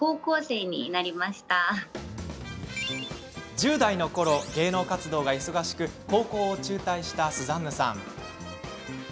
１０代のころ、芸能活動が忙しく高校を中退したスザンヌさん。